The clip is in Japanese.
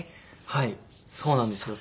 はいそうなんですよ。